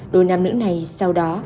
đôi nam nữ này sau đó